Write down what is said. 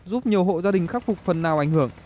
giúp nhiều hộ gia đình khắc phục phần nào ảnh hưởng